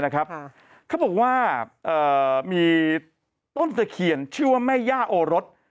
เขาบอกว่ามีต้นตะเคียนชื่อว่าแม่ย่าโอรส